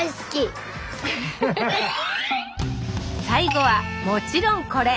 最後はもちろんこれ。